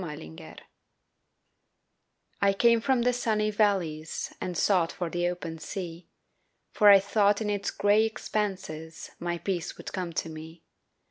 THE RIVER I CAME from the sunny valleys And sought for the open sea, For I thought in its gray expanses My peace would come to me.